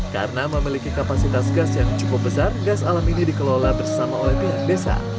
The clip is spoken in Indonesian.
karena memiliki kapasitas gas yang cukup besar gas alam ini dikelola bersama oleh pihak desa